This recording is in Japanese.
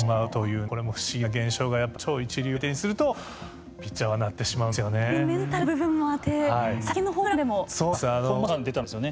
これも不思議な現象がやっぱり超一流を相手にするとピッチャーはなってしまうんですよね。